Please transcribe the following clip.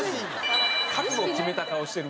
覚悟を決めた顔してる。